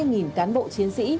gần hai cán bộ chiến sĩ